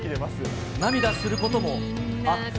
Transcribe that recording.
涙することもあった。